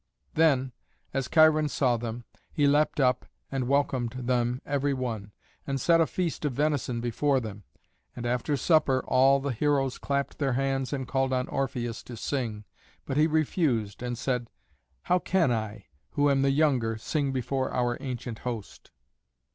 Then, as Cheiron saw them, he leapt up and welcomed them every one, and set a feast of venison before them. And after supper all the heroes clapped their hands and called on Orpheus to sing, but he refused, and said, "How can I, who am the younger, sing before our ancient host?"